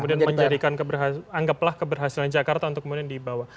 kemudian menjadikan anggaplah keberhasilan jakarta untuk kemudian dibawa